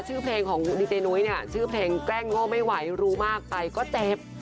ชื่อเพลงของดีเจนุ้ยเนี่ยชื่อเพลงแกล้งโง่ไม่ไหวรู้มากไปก็เจ็บ